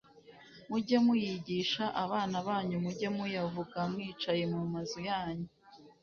Mujye muyigisha abana banyu mujye muyavuga mwicaye mu mazu yanyu